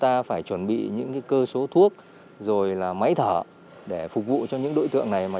chúng ta phải chuẩn bị những cái cơ số thuốc rồi là máy thở để phục vụ cho những đối tượng này mà